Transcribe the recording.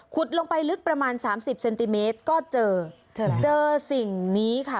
ขุดลงไปลึกประมาณ๓๐เซนติเมตรก็เจอสิ่งนี้ค่ะ